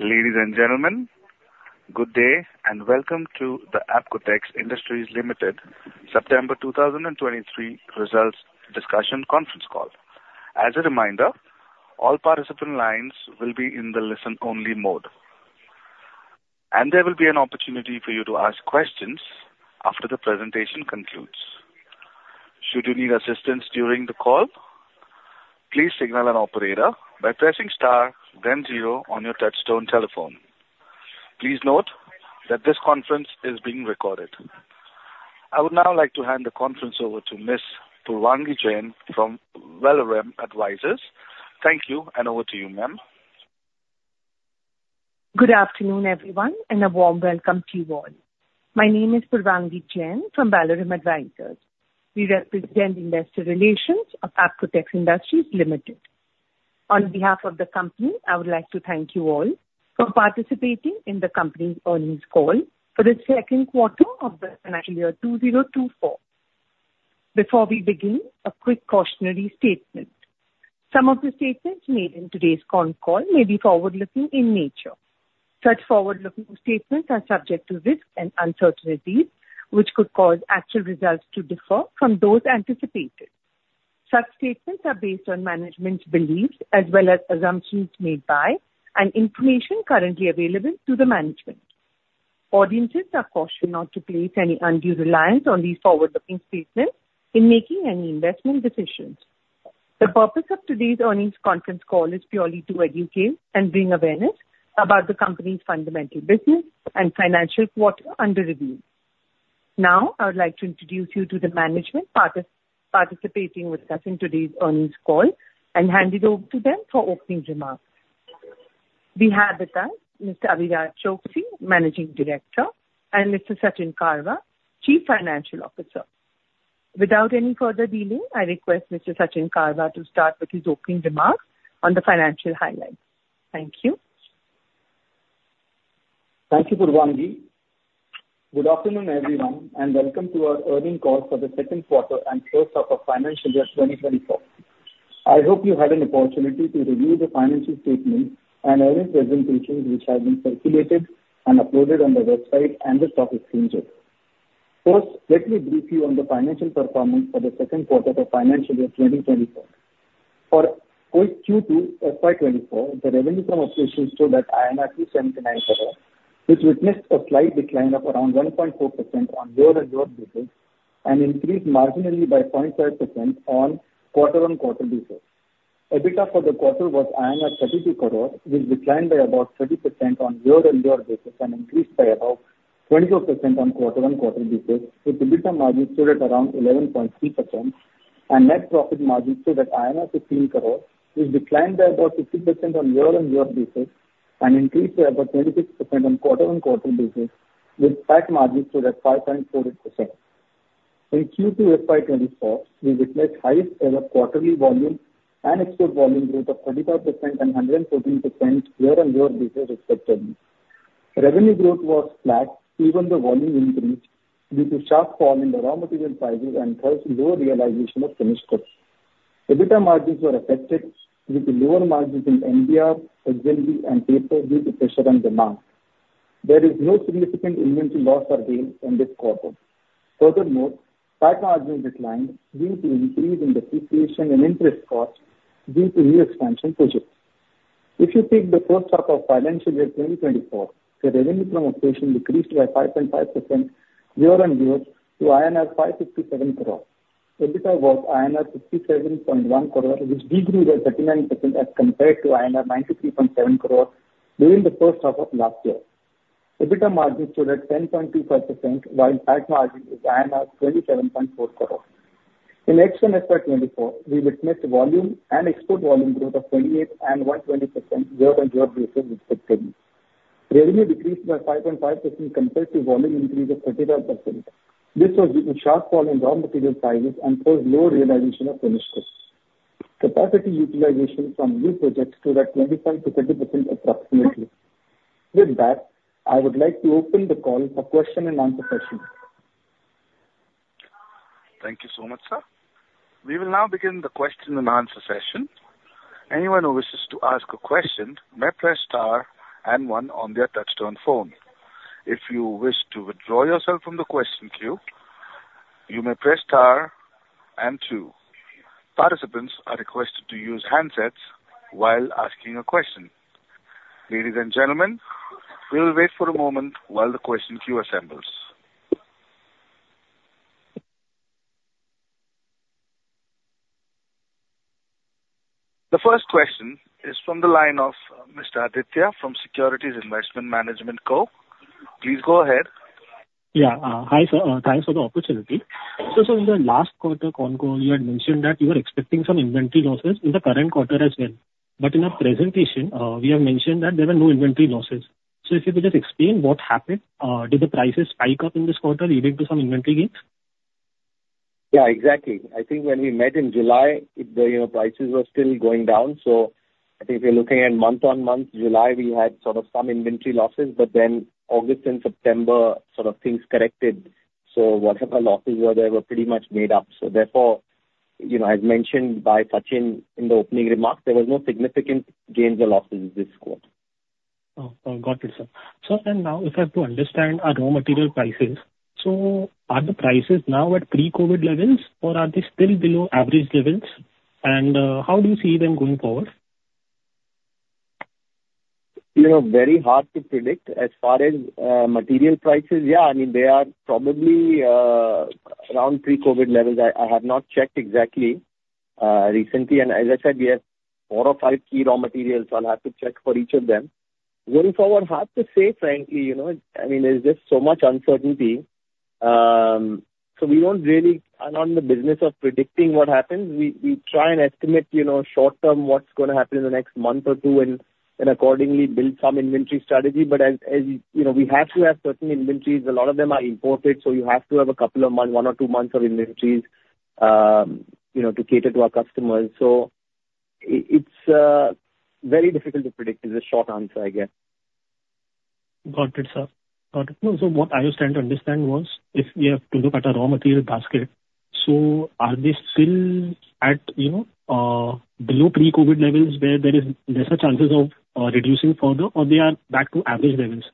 Ladies and gentlemen, good day, and welcome to the Apcotex Industries Limited September 2023 results discussion conference call. As a reminder, all participant lines will be in the listen-only mode, and there will be an opportunity for you to ask questions after the presentation concludes. Should you need assistance during the call, please signal an operator by pressing star then zero on your touchtone telephone. Please note that this conference is being recorded. I would now like to hand the conference over to Ms. Purvangi Jain from Valorem Advisors. Thank you, and over to you, ma'am. Good afternoon, everyone, and a warm welcome to you all. My name is Purvangi Jain from Valorem Advisors. We represent investor relations of Apcotex Industries Limited. On behalf of the company, I would like to thank you all for participating in the company's earnings call for the second quarter of the financial year 2024. Before we begin, a quick cautionary statement. Some of the statements made in today's conf call may be forward-looking in nature. Such forward-looking statements are subject to risks and uncertainties, which could cause actual results to differ from those anticipated. Such statements are based on management's beliefs as well as assumptions made by and information currently available to the management. Audiences are cautioned not to place any undue reliance on these forward-looking statements in making any investment decisions. The purpose of today's earnings conference call is purely to educate and bring awareness about the company's fundamental business and financial quarter under review. Now, I would like to introduce you to the management participating with us in today's earnings call and hand it over to them for opening remarks. We have with us Mr. Abhiraj Choksey, Managing Director, and Mr. Sachin Karwa, Chief Financial Officer. Without any further delay, I request Mr. Sachin Karwa to start with his opening remarks on the financial highlights. Thank you. Thank you, Purvangi. Good afternoon, everyone, and welcome to our earnings call for the second quarter and first half of financial year 2024. I hope you had an opportunity to review the financial statements and earnings presentations, which have been circulated and uploaded on the website and the stock exchanges. First, let me brief you on the financial performance for the second quarter of financial year 2024. For Q2 FY 2024, the revenue from operations stood at 79 crore, which witnessed a slight decline of around 1.4% on year-on-year basis and increased marginally by 0.5% on quarter-on-quarter basis. EBITDA for the quarter was 32 crore, which declined by about 30% on year-on-year basis and increased by about 24% on quarter-on-quarter basis, with EBITDA margin stood at around 11.3%, and net profit margin stood at 16 crore, which declined by about 50% on year-on-year basis and increased by about 26% on quarter-on-quarter basis, with PAT margin stood at 5.48%. In Q2 FY 2024, we witnessed highest ever quarterly volume and export volume growth of 35% and 114% year-on-year basis, respectively. Revenue growth was flat, even though volume increased due to sharp fall in the raw material prices and thus lower realization of finished goods. EBITDA margins were affected due to lower margins in NBR, XNB, and Paper due to pressure on demand. There is no significant inventory loss or gain in this quarter. Furthermore, PAT margin declined due to increase in depreciation and interest costs due to new expansion projects. If you take the first half of financial year 2024, the revenue from operation decreased by 5.5% year-on-year to INR 557 crore. EBITDA was INR 67.1 crore, which decreased by 39% as compared to INR 93.7 crore during the first half of last year. EBITDA margin stood at 10.25%, while PAT margin is 27.4 crore. In H1 FY 2024, we witnessed volume and export volume growth of 28% and 120% year-on-year basis, respectively. Revenue decreased by 5.5% compared to volume increase of 35%. This was due to sharp fall in raw material prices and thus lower realization of finished goods. Capacity utilization from new projects stood at 25%-30% approximately. With that, I would like to open the call for question-and-answer session. Thank you so much, sir. We will now begin the question-and-answer session. Anyone who wishes to ask a question may press star and one on their touch-tone phone. If you wish to withdraw yourself from the question queue, you may press star and two. Participants are requested to use handsets while asking a question. Ladies and gentlemen, we'll wait for a moment while the question queue assembles. The first question is from the line of Mr. Aditya from Securities Investment Management Co. Please go ahead. Yeah. Hi, sir. Thanks for the opportunity. So, sir, in the last quarter con call, you had mentioned that you were expecting some inventory losses in the current quarter as well, but in our presentation, we have mentioned that there were no inventory losses. So if you could just explain what happened. Did the prices spike up in this quarter leading to some inventory gains? Yeah, exactly. I think when we met in July, you know, prices were still going down. So I think if you're looking at month-on-month, July, we had sort of some inventory losses, but then August and September, sort of things corrected. So whatever losses were there were pretty much made up. So therefore-... You know, as mentioned by Sachin in the opening remarks, there was no significant gains or losses this quarter. Oh, got it, sir. So then now, if I have to understand our raw material prices, so are the prices now at pre-COVID levels, or are they still below average levels? And, how do you see them going forward? You know, very hard to predict. As far as, material prices, yeah, I mean, they are probably, around pre-COVID levels. I, I have not checked exactly, recently, and as I said, we have four or five key raw materials, so I'll have to check for each of them. Going forward, hard to say, frankly, you know, I mean, there's just so much uncertainty. So we don't really... I'm not in the business of predicting what happens. We, we try and estimate, you know, short-term, what's gonna happen in the next month or two, and, and accordingly build some inventory strategy. But as, as you know, we have to have certain inventories. A lot of them are imported, so you have to have a couple of months, one or two months of inventories, you know, to cater to our customers. It's very difficult to predict, is the short answer, I guess. Got it, sir. Got it. No, so what I was trying to understand was, if we have to look at our raw material basket, so are they still at, you know, below pre-COVID levels, where there is lesser chances of reducing further, or they are back to average levels?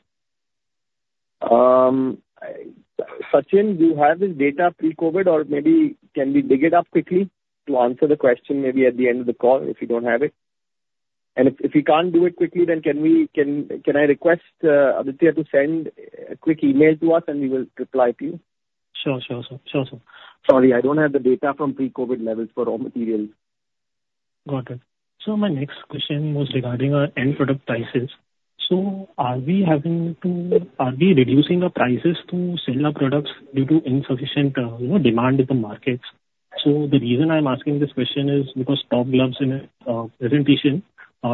Sachin, do you have the data pre-COVID, or maybe, can we dig it up quickly to answer the question, maybe at the end of the call, if you don't have it? And if you can't do it quickly, then can I request Aditya to send a quick email to us, and we will reply to you? Sure, sure, sir. Sure, sir. Sorry, I don't have the data from pre-COVID levels for raw materials. Got it. My next question was regarding our end product prices. Are we reducing our prices to sell our products due to insufficient, you know, demand in the markets? The reason I'm asking this question is because Top Glove's in a presentation,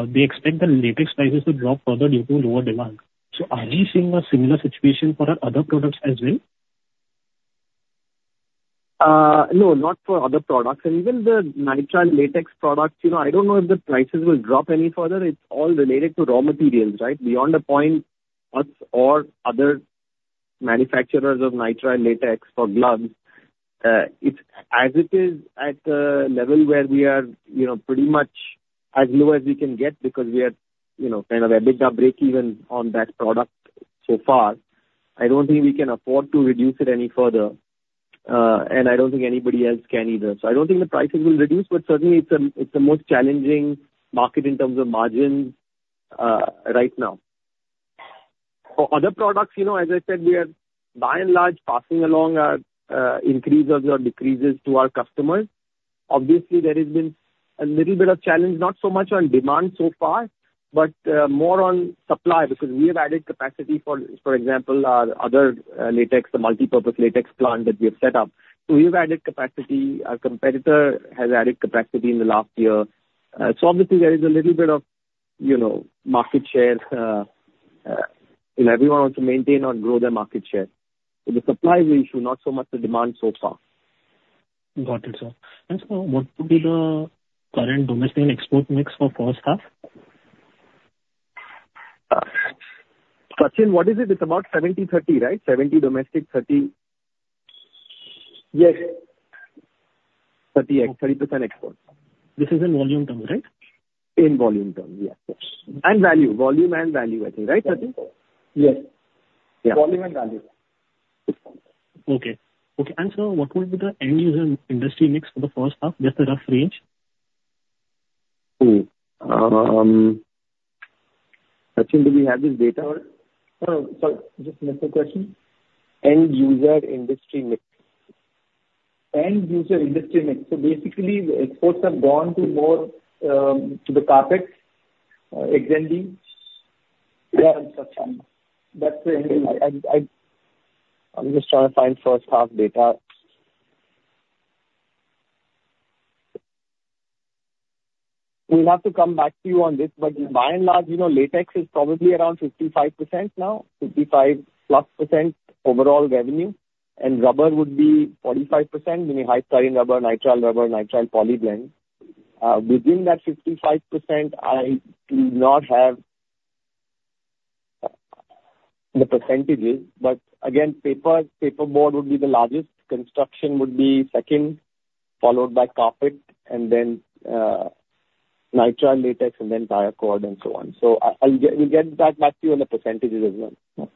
they expect the latex prices to drop further due to lower demand. Are we seeing a similar situation for our other products as well? No, not for other products. And even nitrile latex products, you know, I don't know if the prices will drop any further. It's all related to raw materials, right? Beyond a point, us or other manufacturers of nitrile latex for gloves, it's as it is, at a level where we are, you know, pretty much as low as we can get, because we are, you know, kind of EBITDA breakeven on that product so far. I don't think we can afford to reduce it any further, and I don't think anybody else can either. So I don't think the prices will reduce, but certainly it's the, it's the most challenging market in terms of margins, right now. For other products, you know, as I said, we are by and large passing along our, increases or decreases to our customers. Obviously, there has been a little bit of challenge, not so much on demand so far, but more on supply, because we have added capacity for example, our other latex, the multipurpose latex plant that we have set up. So we have added capacity. Our competitor has added capacity in the last year. So obviously there is a little bit of, you know, market share, and everyone wants to maintain or grow their market share. So the supply issue, not so much the demand so far. Got it, sir. What will be the current domestic and export mix for first half? Sachin, what is it? It's about 70/30, right? 70 domestic, 30- Yes. 30, 30% export. This is in volume terms, right? In volume terms, yeah. Yes. And value, volume and value, I think, right, Sachin? Yes. Yeah. Volume and value. Okay. Okay, and sir, what would be the end user industry mix for the first half, just a rough range? Sachin, do we have this data? Sorry, just repeat the question. End-user industry mix. End-user industry mix. So basically, the exports have gone to more, to the carpet, extending. Yeah, [Sachin.] That's the I'm just trying to find first half data. We'll have to come back to you on this, but by and large, you know, latex is probably around 55% now, 55%+ overall revenue, and rubber would be 45%, meaning high styrene rubber, nitrile rubber, nitrile polyblend. Within that 55%, I do not have the percentages, but again, paper, paperboard would be the largest, construction would be second, followed by carpet, and then nitrile latex, and then tire cord, and so on. So I'll get, we'll get back to you on the percentages as well.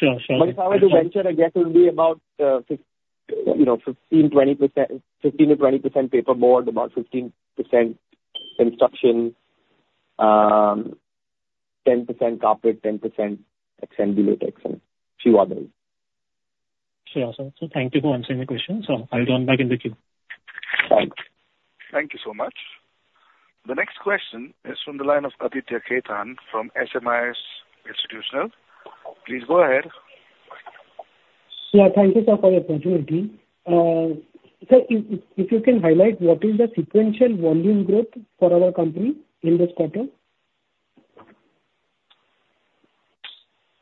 Sure, sure. But if I were to venture, I guess it will be about, you know, 15%-20% paperboard, about 15% construction, 10% carpet, 10% XNB latex and a few others. Sure, sir. So thank you for answering the question, sir. I'll join back in the queue. Thanks. Thank you so much. The next question is from the line of Aditya Khetan from SMIFS Institutional. Please go ahead. Sure. Thank you, sir, for the opportunity. Sir, if you can highlight what is the sequential volume growth for our company in this quarter?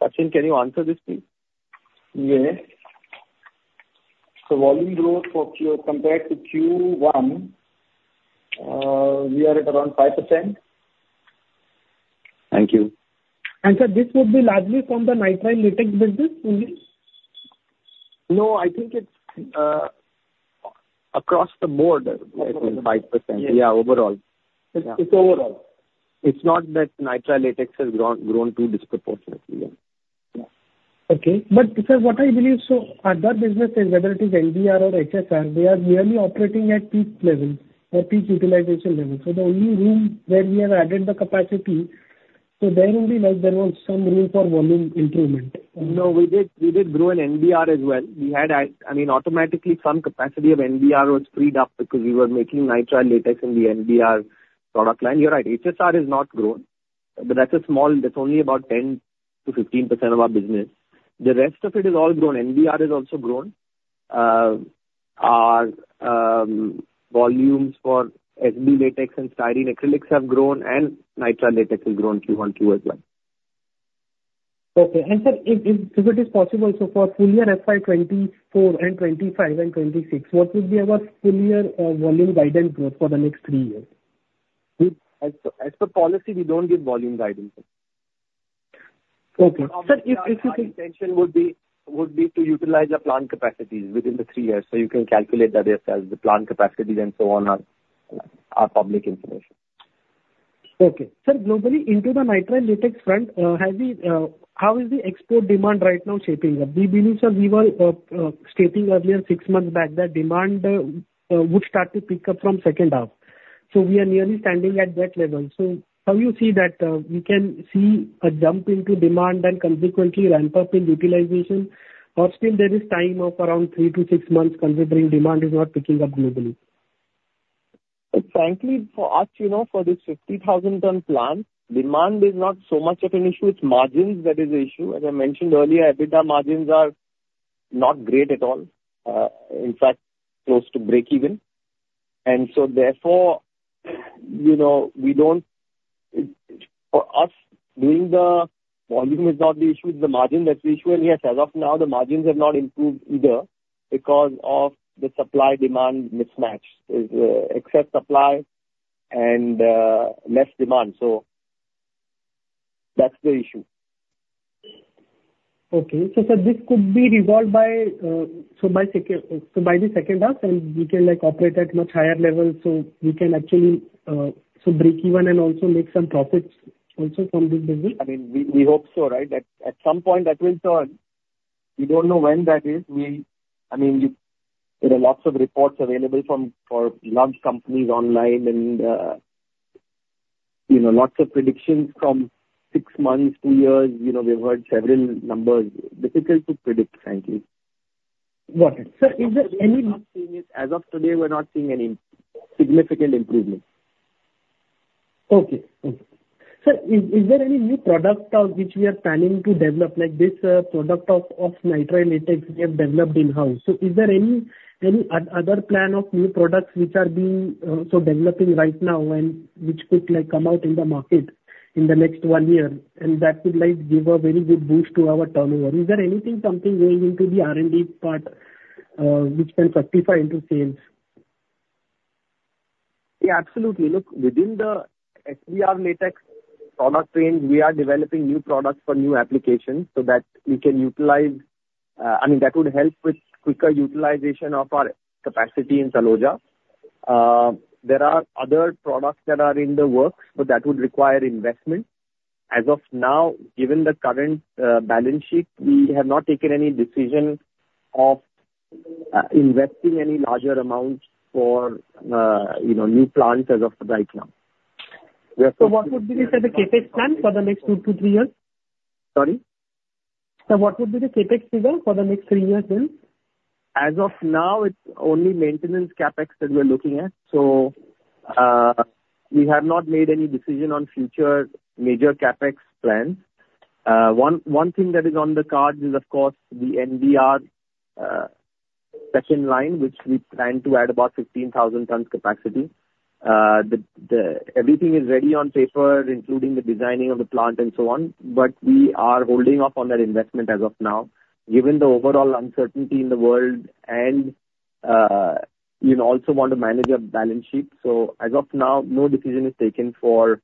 Sachin, can you answer this, please? Yes. So volume growth for Q- compared to Q1, we are at around 5%.... Thank you. Sir, this would be largely from the nitrile latex business only? No, I think it's across the board, I think 5%. Yeah. Yeah, overall. It's overall. It's not that nitrile latex has grown, grown too disproportionately, yeah. Okay. But sir, what I believe, so other businesses, whether it is NBR or HSR, they are merely operating at peak level or peak utilization level. So the only room where we have added the capacity, so there only like there was some room for volume improvement. No, we did grow in NBR as well. We had. I mean, automatically some capacity of NBR was freed up because we were making nitrile latex in the NBR product line. You're right, HSR has not grown, but that's a small... That's only about 10%-15% of our business. The rest of it is all grown. NBR has also grown. Our volumes for SB latex and styrene acrylics have grown, and nitrile latex has grown Q-on-Q as well. Okay. And sir, if it is possible, so for full year FY 2024 and 2025 and 2026, what would be our full year volume guidance growth for the next three years? As per policy, we don't give volume guidance. Okay. Sir, if you- Our intention would be to utilize our plant capacities within the three years, so you can calculate that yourself. The plant capacities and so on are public information. Okay. Sir, globally, into the nitrile latex front, how is the export demand right now shaping up? We believe, so we were stating earlier, six months back, that demand would start to pick up from second half, so we are nearly standing at that level. So how you see that, we can see a jump into demand and consequently ramp up in utilization, or still there is time of around three to six months, considering demand is not picking up globally? Frankly, for us, you know, for this 50,000-ton plant, demand is not so much of an issue, it's margins that is the issue. As I mentioned earlier, EBITDA margins are not great at all. In fact, close to breakeven. And so therefore, you know, we don't... For us, doing the volume is not the issue, it's the margin that's the issue. And yes, as of now, the margins have not improved either because of the supply/demand mismatch. There's excess supply and less demand. So that's the issue. Okay. So sir, this could be resolved by the second half, and we can, like, operate at much higher levels, so we can actually breakeven and also make some profits also from this business? I mean, we hope so, right? At some point, that will turn. We don't know when that is. We, I mean, there are lots of reports available from for large companies online and, you know, lots of predictions from six months, two years, you know, we've heard several numbers. Difficult to predict, frankly. Got it. Sir, is there any- As of today, we're not seeing any significant improvement. Okay. Sir, is there any new product which we are planning to develop, like this product of nitrile latex we have developed in-house. So is there any other plan of new products which are being so developing right now and which could like come out in the market in the next one year, and that would like give a very good boost to our turnover? Is there anything, something going into the R&D part which can justify into sales? Yeah, absolutely. Look, within the SBR latex product range, we are developing new products for new applications so that we can utilize, I mean, that would help with quicker utilization of our capacity in Taloja. There are other products that are in the works, but that would require investment. As of now, given the current balance sheet, we have not taken any decision of investing any larger amounts for, you know, new plants as of right now. What would be the CapEx plan for the next two to three years? Sorry? Sir, what would be the CapEx figure for the next three years then? As of now, it's only maintenance CapEx that we're looking at. So, we have not made any decision on future major CapEx plans. One thing that is on the cards is, of course, the NBR second line, which we plan to add about 15,000 tons capacity. Everything is ready on paper, including the designing of the plant and so on, but we are holding off on that investment as of now, given the overall uncertainty in the world and we also want to manage our balance sheet. So as of now, no decision is taken for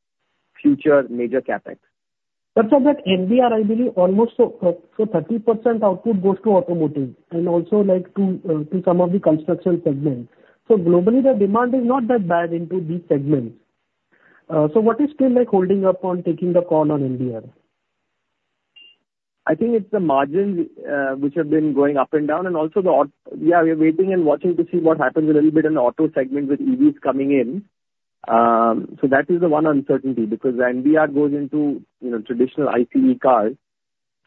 future major CapEx. But sir, that NBR, I believe, so 30% output goes to automotive and also like to some of the construction segments. So globally, the demand is not that bad into these segments. So what is still like holding up on taking the call on NBR? I think it's the margins, which have been going up and down, and also the auto. Yeah, we are waiting and watching to see what happens a little bit in the auto segment with EVs coming in. So that is the one uncertainty, because NBR goes into, you know, traditional ICE cars.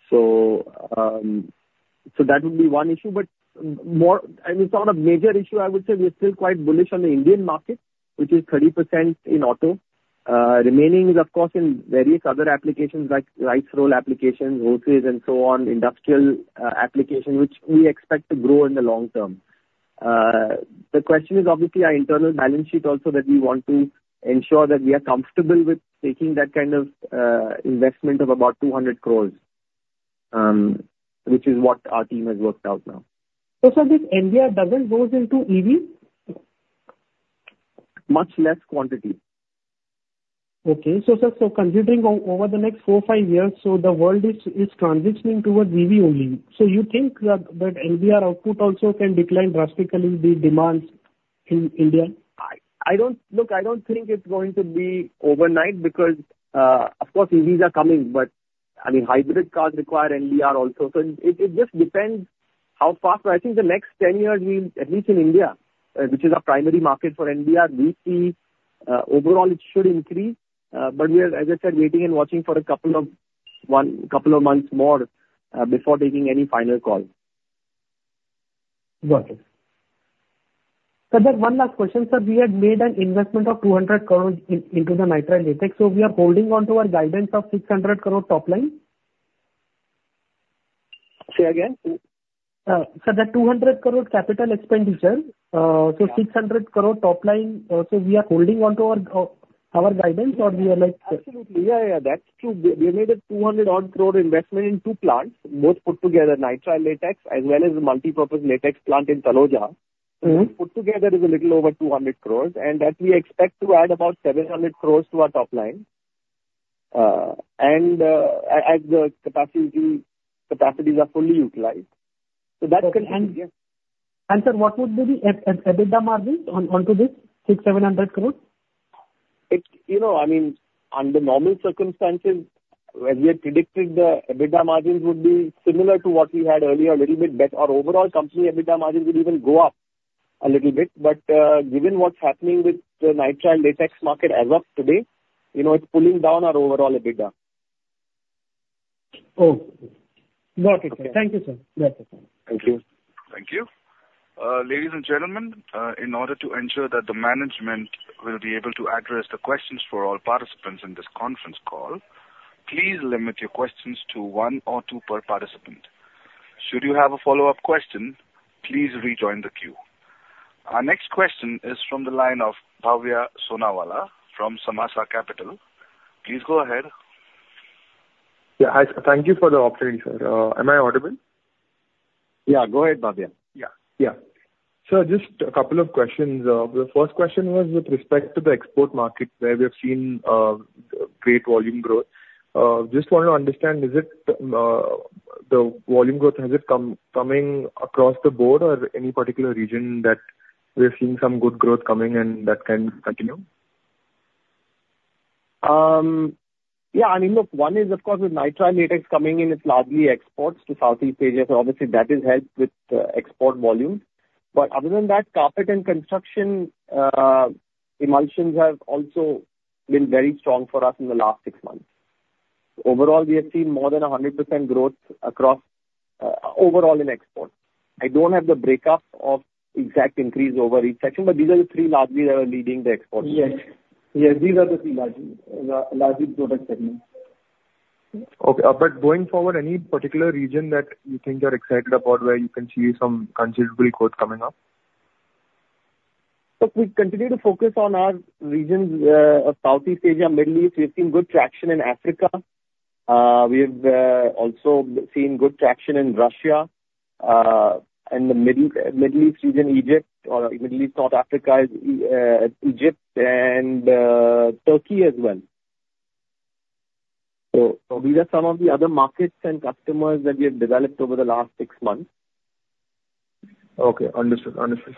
So, so that would be one issue, but more-- and it's not a major issue, I would say. We're still quite bullish on the Indian market, which is 30% in auto. Remaining is, of course, in various other applications like rice roll applications, rotaries and so on, industrial, application, which we expect to grow in the long term. The question is obviously our internal balance sheet also, that we want to ensure that we are comfortable with taking that kind of investment of about 200 crore, which is what our team has worked out now. So sir, this NBR doesn't goes into EV?... much less quantity. Okay. So, sir, so considering over the next four to five years, so the world is transitioning towards EV only. So you think that NBR output also can decline drastically the demands in India? Look, I don't think it's going to be overnight because, of course, EVs are coming, but, I mean, hybrid cars require NBR also. So it just depends how fast. But I think the next 10 years, we, at least in India, which is our primary market for NBR, we see, overall it should increase. But we are, as I said, waiting and watching for a couple of months more, before taking any final call. Got it. Sir, there's one last question. Sir, we had made an investment of 200 crore into the nitrile latex. So we are holding onto our guidance of 600 crore top line? Say again, please? sir, the INR 200 crore capital expenditure, Yeah. So INR 600 crore top line. We are holding on to our, our guidance, or we are like- Absolutely. Yeah, yeah, that's true. We, we made a 200-odd crore investment in two plants, both put together nitrile latex as well as the multipurpose latex plant in Taloja. Mm-hmm. Put together is a little over 200 crore, and that we expect to add about 700 crore to our top line. As the capacity, capacities are fully utilized. So that can, yes. Sir, what would be the EBITDA margins onto this 600 crore-700 crore? It's, you know, I mean, under normal circumstances, we had predicted the EBITDA margins would be similar to what we had earlier, a little bit better. Our overall company EBITDA margins would even go up a little bit. But, given what's happening with the nitrile latex market as of today, you know, it's pulling down our overall EBITDA. Oh, got it, sir. Yeah. Thank you, sir. Got it. Thank you. Thank you. Ladies and gentlemen, in order to ensure that the management will be able to address the questions for all participants in this conference call, please limit your questions to one or two per participant. Should you have a follow-up question, please rejoin the queue. Our next question is from the line of Bhavya Sonawala from Samaasa Capital. Please go ahead. Yeah. Hi, thank you for the opportunity, sir. Am I audible? Yeah, go ahead, Bhavya. Yeah, yeah. So just a couple of questions. The first question was with respect to the export market, where we have seen great volume growth. Just wanted to understand, is it the volume growth, has it come, coming across the board or any particular region that we're seeing some good growth coming and that can continue? Yeah, I mean, look, one is, of course, with nitrile latex coming in, it's largely exports to Southeast Asia, so obviously that has helped with export volume. But other than that, carpet and construction emulsions have also been very strong for us in the last six months. Overall, we have seen more than 100% growth across overall in exports. I don't have the breakup of exact increase over each section, but these are the three largely that are leading the exports. Yes. Yes, these are the three large product segments. Okay, but going forward, any particular region that you think you're excited about, where you can see some considerable growth coming up? Look, we continue to focus on our regions, of Southeast Asia, Middle East. We've seen good traction in Africa. We have, also seen good traction in Russia, and the Middle, Middle East region, Egypt, or Middle East, North Africa, Egypt and, Turkey as well. So these are some of the other markets and customers that we have developed over the last six months. Okay. Understood. Understood.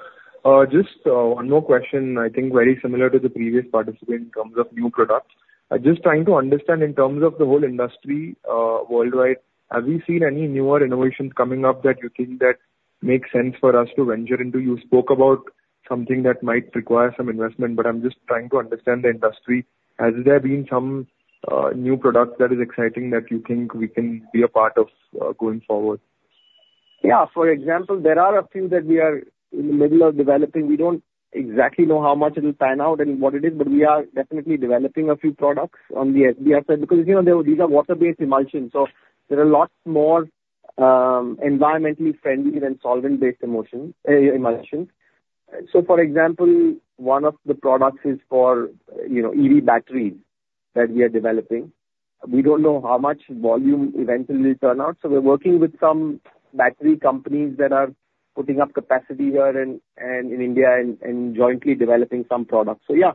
Just, one more question, I think very similar to the previous participant in terms of new products. I'm just trying to understand in terms of the whole industry, worldwide, have you seen any newer innovations coming up that you think that makes sense for us to venture into? You spoke about something that might require some investment, but I'm just trying to understand the industry. Has there been some, new product that is exciting that you think we can be a part of, going forward? Yeah. For example, there are a few that we are in the middle of developing. We don't exactly know how much it'll pan out and what it is, but we are definitely developing a few products on the NBR side. Because, you know, these are water-based emulsions, so there are lots more environmentally friendly than solvent-based emulsions. So, for example, one of the products is for, you know, EV batteries that we are developing. We don't know how much volume eventually will turn out, so we're working with some battery companies that are putting up capacity here and in India and jointly developing some products. So yeah,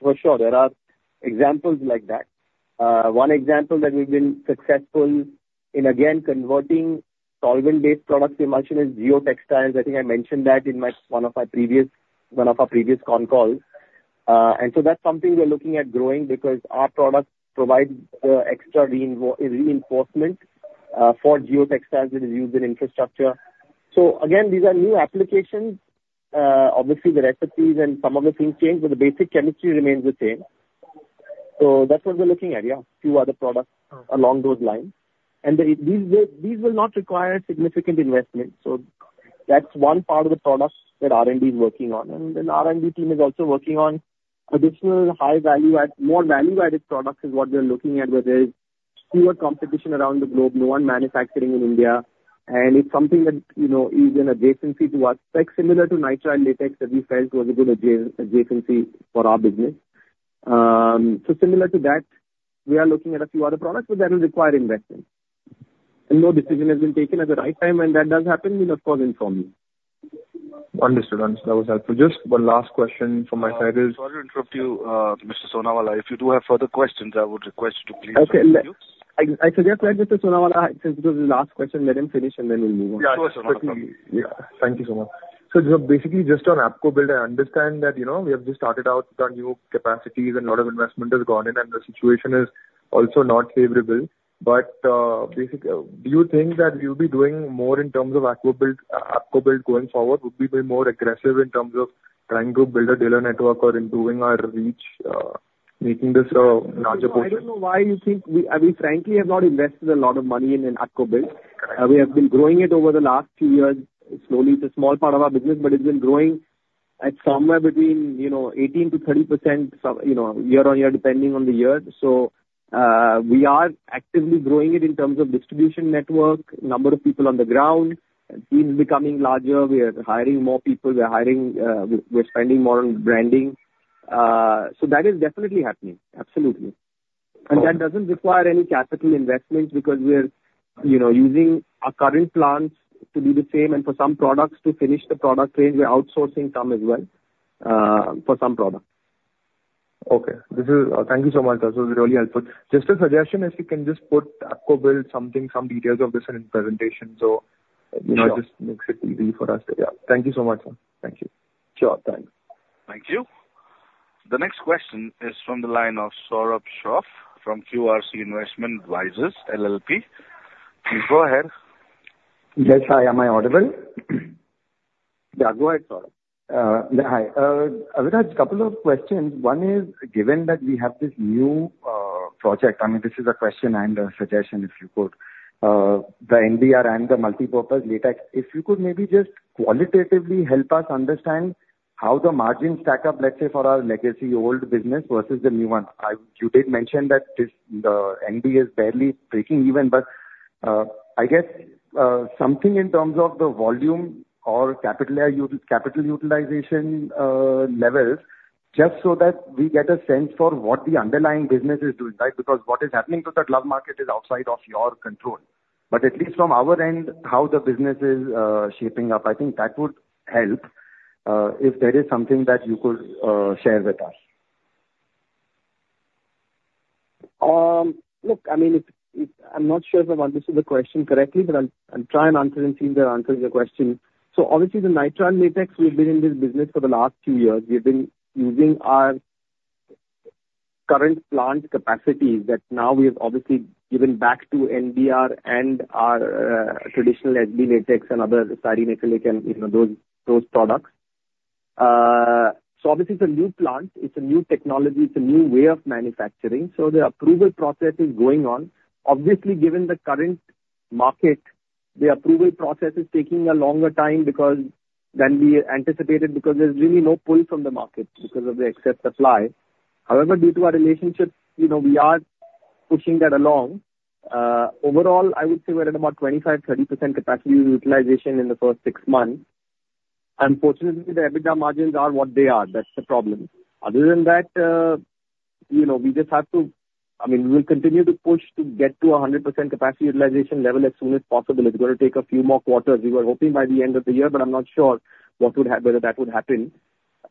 for sure, there are examples like that. One example that we've been successful in, again, converting solvent-based products emulsion is geotextiles. I think I mentioned that in my, one of my previous, one of our previous con calls. And so that's something we're looking at growing because our products provide extra reinforcement for geotextiles that is used in infrastructure. So again, these are new applications. Obviously, the recipes and some of the things change, but the basic chemistry remains the same. So that's what we're looking at, yeah, a few other products- Uh. Along those lines. These will, these will not require significant investment, so that's one part of the products that R&D is working on. And then R&D team is also working on additional high value add, more value-added products is what we are looking at, where there is fewer competition around the globe, no one manufacturing in India. And it's something that, you know, is an adjacency to us, like similar to nitrile latex, that we felt was a good adjacency for our business. So similar to that, we are looking at a few other products, but that will require investment. And no decision has been taken at the right time, and that does happen, we will of course inform you. Understood. Understood. That was helpful. Just one last question from my side is- Sorry to interrupt you, Mr. Sonawala. If you do have further questions, I would request you to please- Okay, I suggest Mr. Sonawala, since this is the last question, let him finish, and then we'll move on. Yeah, sure, Sonawala. Thank you so much. So just basically just on ApcoBuild, I understand that, you know, we have just started out with our new capacities and a lot of investment has gone in, and the situation is also not favorable. But, do you think that you'll be doing more in terms of ApcoBuild, ApcoBuild going forward? Would we be more aggressive in terms of trying to build a dealer network or improving our reach, making this a larger portion? I don't know why you think we... We frankly have not invested a lot of money in ApcoBuild. Correct. We have been growing it over the last few years. Slowly, it's a small part of our business, but it's been growing at somewhere between, you know, 18%-30%, so, you know, year-over-year, depending on the year. So, we are actively growing it in terms of distribution network, number of people on the ground, team is becoming larger, we are hiring more people, we are hiring, we're spending more on branding. So that is definitely happening. Absolutely. Okay. That doesn't require any capital investment because we are, you know, using our current plants to do the same and for some products, to finish the product range, we are outsourcing some as well, for some products. Okay. Thank you so much. That was really helpful. Just a suggestion, if you can just put ApcoBuild something, some details of this in presentation, so- Sure. You know, it just makes it easy for us. Yeah. Thank you so much, sir. Thank you. Sure, thanks. Thank you. The next question is from the line of Saurabh Shroff from QRC Investment Advisors LLP. Please go ahead. Yes. Hi, am I audible? Yeah, go ahead, Saurabh. Hi. Abhiraj, a couple of questions. One is, given that we have this new project, I mean, this is a question and a suggestion, if you could. The NBR and the multipurpose latex. If you could maybe just qualitatively help us understand how the margins stack up, let's say, for our legacy old business versus the new one. You did mention that this, the NBR is barely breaking even, but I guess something in terms of the volume or capital utilization levels, just so that we get a sense for what the underlying business is doing, right? Because what is happening to the glove market is outside of your control. But at least from our end, how the business is shaping up, I think that would help, if there is something that you could share with us. Look, I mean, I'm not sure if I've understood the question correctly, but I'll try and answer and see if that answers your question. So obviously, the nitrile latex, we've been in this business for the last two years. We've been using our current plant capacity that now we have obviously given back to NBR and our traditional SB latex and other styrene acrylic, and you know, those products. So obviously, it's a new plant, it's a new technology, it's a new way of manufacturing, so the approval process is going on. Obviously, given the current market, the approval process is taking a longer time than we anticipated, because there's really no pull from the market because of the excess supply. However, due to our relationships, you know, we are pushing that along. Overall, I would say we're at about 25%-30% capacity utilization in the first six months. Unfortunately, the EBITDA margins are what they are. That's the problem. Other than that, you know, we just have to, I mean, we will continue to push to get to a 100% capacity utilization level as soon as possible. It's gonna take a few more quarters. We were hoping by the end of the year, but I'm not sure whether that would happen.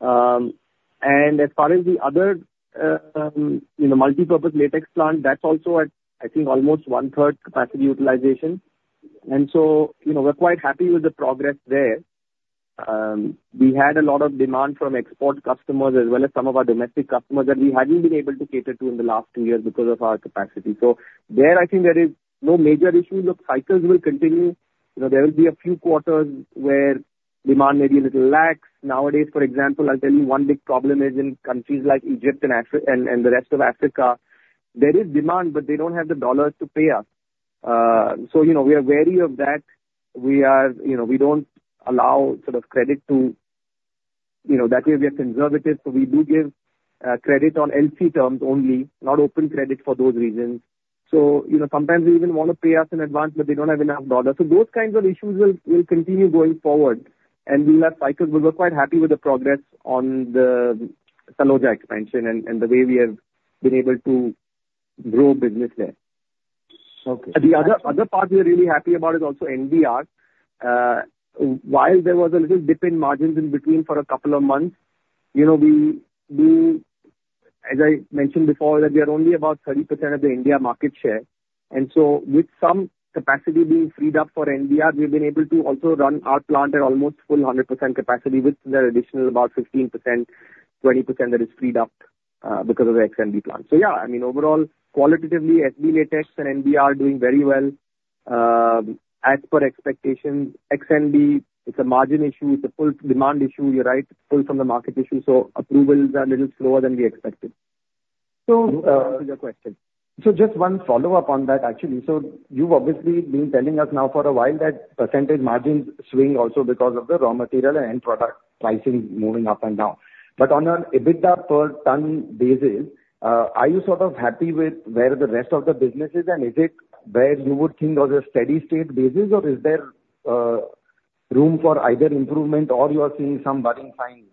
And as far as the other, you know, multipurpose latex plant, that's also at, I think, almost 1/3 capacity utilization. So, you know, we're quite happy with the progress there. We had a lot of demand from export customers as well as some of our domestic customers that we hadn't been able to cater to in the last two years because of our capacity. So there, I think there is no major issue. Look, cycles will continue. You know, there will be a few quarters where demand may be a little lax. Nowadays, for example, I'll tell you one big problem is in countries like Egypt and the rest of Africa, there is demand, but they don't have the dollars to pay us. So you know, we are wary of that. You know, we don't allow sort of credit to, you know, that way we are conservative, so we do give credit on LC terms only, not open credit for those reasons. So, you know, sometimes they even want to pay us in advance, but they don't have enough dollars. So those kinds of issues will continue going forward, and we'll have cycles. We were quite happy with the progress on the Taloja expansion and the way we have been able to grow business there. Okay. The other, other part we are really happy about is also NBR. While there was a little dip in margins in between for a couple of months, you know, we, we, as I mentioned before, that we are only about 30% of the India market share, and so with some capacity being freed up for NBR, we've been able to also run our plant at almost full 100% capacity with the additional about 15%, 20% that is freed up, because of the XNB plant. So yeah, I mean, overall, qualitatively, SB latex and NBR are doing very well, as per expectation. XNB, it's a margin issue, it's a pull-demand issue, you're right, pull from the market issue, so approvals are a little slower than we expected. So, To answer your question. Just one follow-up on that, actually. You've obviously been telling us now for a while that percentage margins swing also because of the raw material and end product pricing moving up and down. But on an EBITDA per ton basis, are you sort of happy with where the rest of the business is, and is it where you would think of a steady state basis, or is there room for either improvement or you are seeing some budding signs?...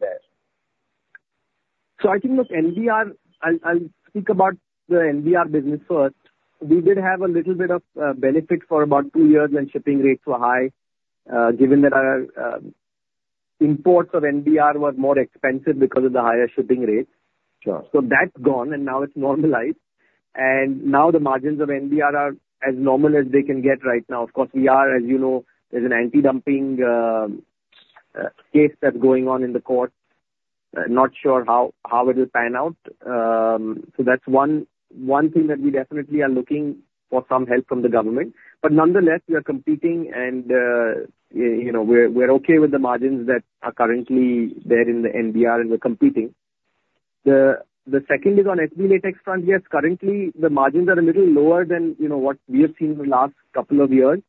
So I think, look, NBR, I'll speak about the NBR business first. We did have a little bit of benefit for about two years when shipping rates were high, given that our imports of NBR were more expensive because of the higher shipping rates. Sure. So that's gone, and now it's normalized. And now the margins of NBR are as normal as they can get right now. Of course, we are, as you know, there's an anti-dumping case that's going on in the court. Not sure how it will pan out. So that's one thing that we definitely are looking for some help from the government. But nonetheless, we are competing and, you know, we're okay with the margins that are currently there in the NBR, and we're competing. The second is on SB latex front. Yes, currently, the margins are a little lower than, you know, what we have seen in the last couple of years,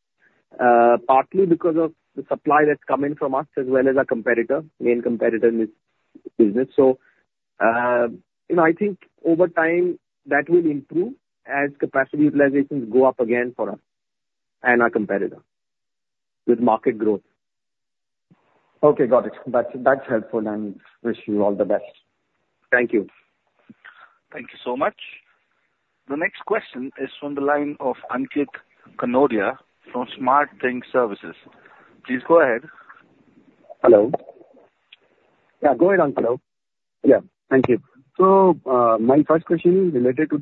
partly because of the supply that's coming from us as well as our competitor, main competitor in this business. You know, I think over time, that will improve as capacity utilizations go up again for us and our competitor with market growth. Okay, got it. That's, that's helpful, and wish you all the best. Thank you. Thank you so much. The next question is from the line of Ankit Kanodia from Smart Sync Services. Please go ahead. Hello. Yeah, go ahead, Ankit. Yeah. Thank you. So, my first question related to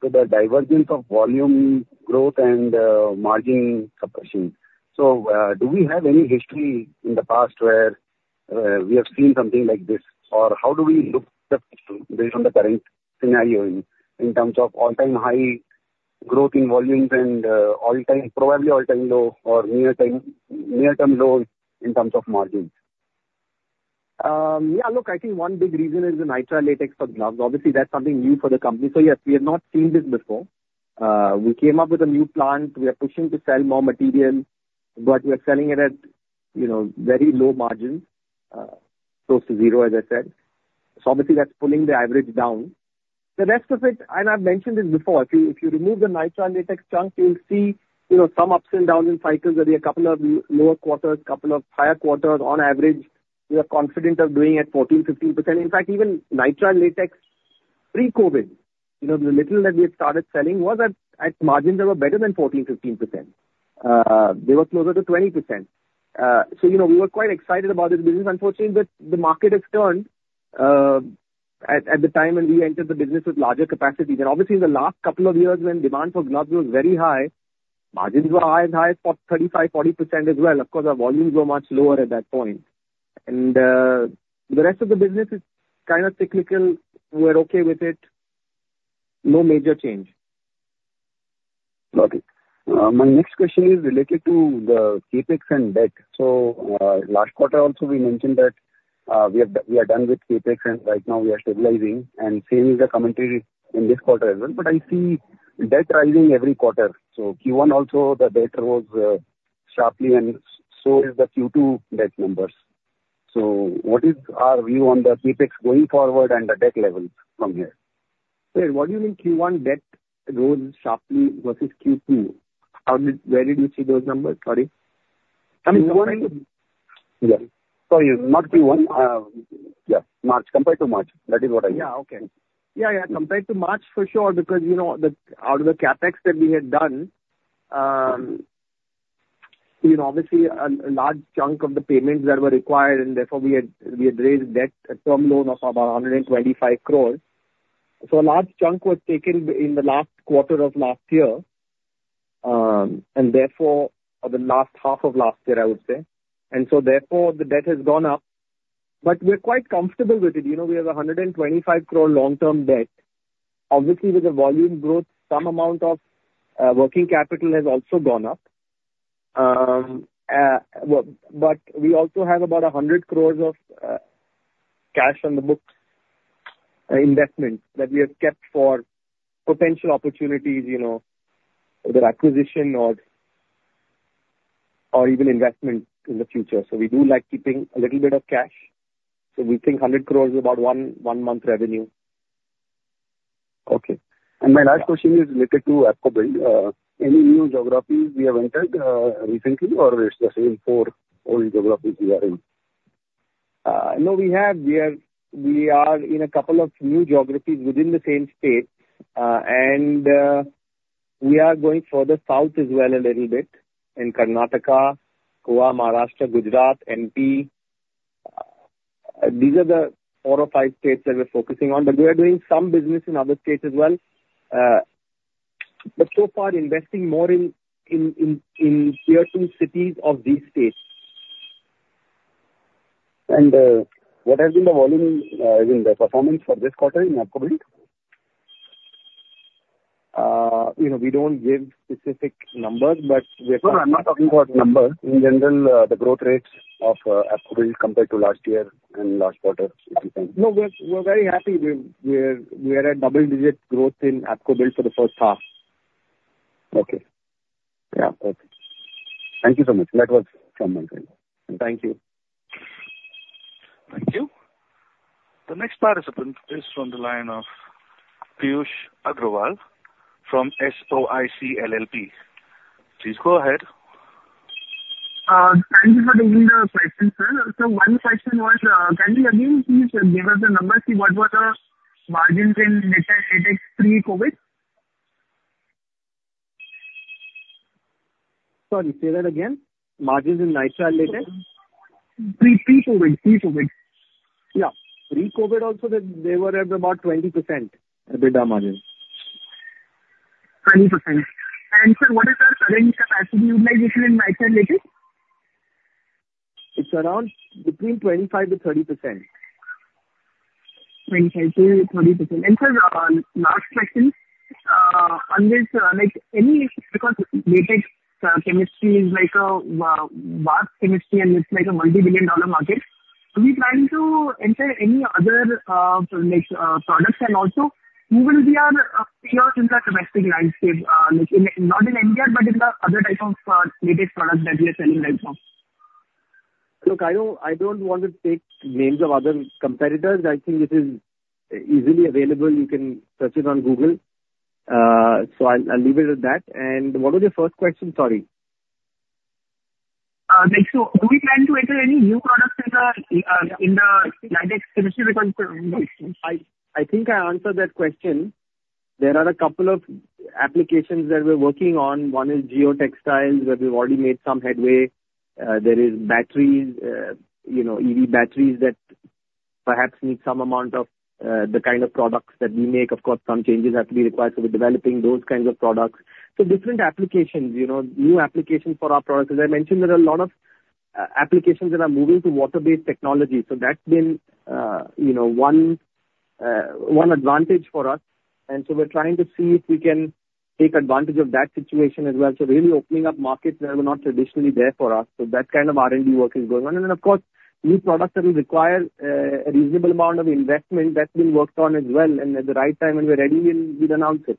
the divergence of volume growth and margin suppression. So, do we have any history in the past where we have seen something like this? Or how do we look the based on the current scenario in terms of all-time high growth in volumes and all-time, probably all-time low or near time, near-term lows in terms of margins? Yeah, look, I think one big reason is the nitrile latex for gloves. Obviously, that's something new for the company. So yes, we have not seen this before. We came up with a new plant. We are pushing to sell more material, but we are selling it at, you know, very low margins, close to zero, as I said. So obviously, that's pulling the average down. The rest of it, and I've mentioned this before, if you remove the nitrile latex chunk, you'll see, you know, some ups and downs in cycles, there'll be a couple of lower quarters, couple of higher quarters. On average, we are confident of doing at 14%-15%. In fact, even nitrile latex pre-COVID, you know, the little that we had started selling was at margins that were better than 14%-15%. They were closer to 20%. So you know, we were quite excited about this business. Unfortunately, the market has turned at the time when we entered the business with larger capacities. And obviously, in the last couple of years, when demand for gloves was very high, margins were as high as 35%-40% as well. Of course, our volumes were much lower at that point. And the rest of the business is kind of cyclical. We're okay with it. No major change. Got it. My next question is related to the CapEx and debt. So, last quarter also, we mentioned that, we are done with CapEx, and right now we are stabilizing, and same is the commentary in this quarter as well. But I see debt rising every quarter. So Q1 also, the debt rose, sharply and so is the Q2 debt numbers. So what is our view on the CapEx going forward and the debt levels from here? Sorry, what do you mean Q1 debt rose sharply versus Q2? Where did you see those numbers? Sorry. I mean, Q1- Yeah. Sorry, not Q1. Yeah, March, compared to March. That is what I mean. Yeah. Okay. Yeah, yeah, compared to March, for sure, because you know, out of the CapEx that we had done, you know, obviously, a large chunk of the payments that were required, and therefore we had raised debt, a term loan of about 125 crore. So a large chunk was taken in the last quarter of last year, and therefore, or the last half of last year, I would say. And so therefore, the debt has gone up. But we're quite comfortable with it. You know, we have a 125 crore long-term debt. Obviously, with the volume growth, some amount of working capital has also gone up. Well, but we also have about 100 crore of cash on the books, investment that we have kept for potential opportunities, you know, whether acquisition or even investment in the future. So we do like keeping a little bit of cash. So we think 100 crore is about one month revenue. Okay. Yeah. My last question is related to ApcoBuild. Any new geographies we have entered, recently, or it's the same four old geographies we are in? No, we have. We are in a couple of new geographies within the same state. We are going further south as well a little bit in Karnataka, Goa, Maharashtra, Gujarat, MP. These are the four or five states that we're focusing on, but we are doing some business in other states as well. But so far investing more in tier two cities of these states. What has been the volume in the performance for this quarter in ApcoBuild? You know, we don't give specific numbers, but we are- No, I'm not talking about numbers. In general, the growth rates of ApcoBuild compared to last year and last quarter, if you can. No, we're very happy. We're at double-digit growth in ApcoBuild for the first half. Okay. Yeah, okay. Thank you so much. That was from my end. Thank you. Thank you. The next participant is from the line of Piyush Agrawal from SOIC LLP. Please go ahead.... Thank you for taking the question, sir. So one question was, can you again please give us the numbers, see what were the margins in nitrile latex pre-COVID? Sorry, say that again. Margins in nitrile latex? Pre, pre-COVID. Pre-COVID. Yeah. Pre-COVID also, they were at about 20% EBITDA margins. 20%. Sir, what is our current capacity utilization in nitrile latex? It's around between 25%-30%. 25%-30%. And sir, last question. On this, like, any, because latex chemistry is like a large chemistry, and it's like a multi-billion-dollar market, are we planning to enter any other, like, products? And also, who will be our peers in the domestic landscape, like, in, not in India, but in the other types of latex products that we are selling right now? Look, I don't want to take names of other competitors. I think it is easily available. You can search it on Google. So I'll leave it at that. What was your first question? Sorry. Like, so do we plan to enter any new products in the latex industry? I, I think I answered that question. There are a couple of applications that we're working on. One is geotextiles, where we've already made some headway. There is batteries, you know, EV batteries that perhaps need some amount of, the kind of products that we make. Of course, some changes have to be required, so we're developing those kinds of products. So different applications, you know, new applications for our products. As I mentioned, there are a lot of, applications that are moving to water-based technology, so that's been, you know, one, one advantage for us. And so we're trying to see if we can take advantage of that situation as well. So we'll be opening up markets that were not traditionally there for us. So that kind of R&D work is going on. And then, of course, new products that will require a reasonable amount of investment, that's being worked on as well, and at the right time, when we're ready, we'll, we'll announce it.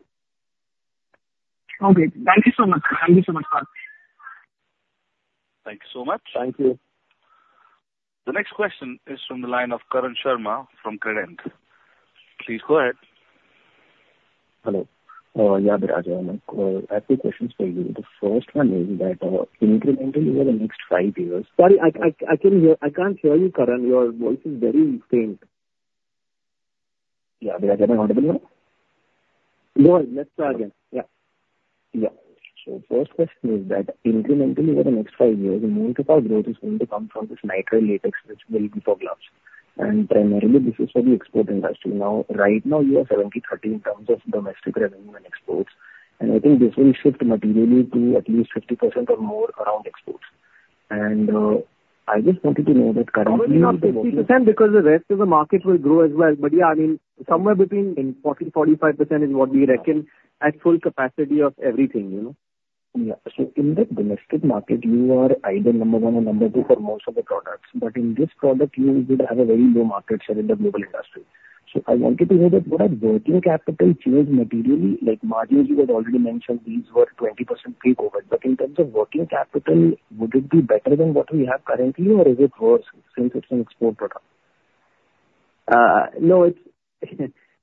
Okay. Thank you so much. Thank you so much. Thank you so much. Thank you. The next question is from the line of Karan Sharma from Kredent. Please go ahead. Hello. Yeah, good afternoon. I have two questions for you. The first one is that, incrementally over the next five years- Sorry, I can't hear, I can't hear you, Karan. Your voice is very faint. Yeah. Am I audible now? Go on. Let's try again. Yeah. Yeah. So first question is that incrementally over the next five years, the multi-part growth is going to come from this nitrile latex, which will be for gloves, and primarily this is for the export industry. Now, right now, you are 70/30 in terms of domestic revenue and exports, and I think this will shift materially to at least 50% or more around exports. And, I just wanted to know that currently- Probably not 50%, because the rest of the market will grow as well. But yeah, I mean, somewhere between 40%-45% is what we reckon at full capacity of everything, you know? Yeah. So in the domestic market, you are either number one or number two for most of the products, but in this product you would have a very low market share in the global industry. So I wanted to know that would our working capital change materially, like Margie, you had already mentioned these were 20% pre-COVID, but in terms of working capital, would it be better than what we have currently, or is it worse since it's an export product? No, it's...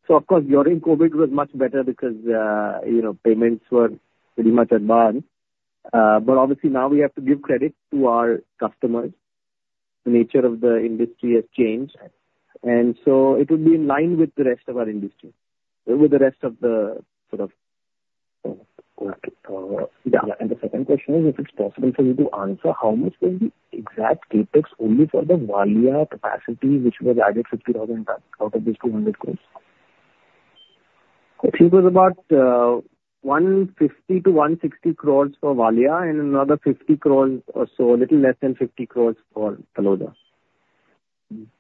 So of course, during COVID was much better because, you know, payments were pretty much advanced. But obviously now we have to give credit to our customers. The nature of the industry has changed, and so it would be in line with the rest of our industry, with the rest of the sort of- Correct. Yeah, and the second question is, if it's possible for you to answer, how much was the exact CapEx only for the Valia capacity, which was added 60,000 tons out of these 200 crore? I think it was about 150 crore-160 crore for Valia and another 50 crore or so, a little less than 50 crore for Taloja.